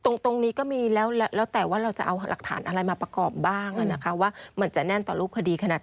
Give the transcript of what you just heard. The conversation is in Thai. ตรงนี้ก็มีแล้วแต่ว่าเราจะเอาหลักฐานอะไรมาประกอบบ้างว่ามันจะแน่นต่อรูปคดีขนาด